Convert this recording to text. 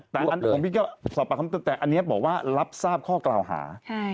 แต่อันนี้บอกว่ารับทราบข้อเกล่าหา